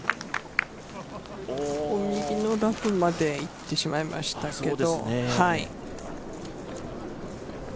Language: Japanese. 右のラフまで行ってしまいましたけど。